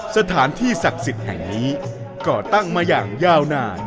สถานที่ศักดิ์สิทธิ์แห่งนี้ก่อตั้งมาอย่างยาวนาน